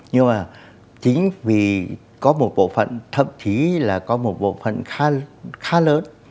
nhưng mà chính vì có một bộ phận thậm chí là có một bộ phận khá lớn